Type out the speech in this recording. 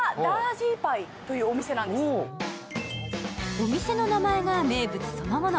お店の名前が名物そのもの。